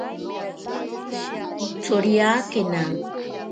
Kitsoriakena.